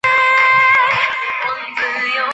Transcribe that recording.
可重入互斥锁也称递归互斥锁。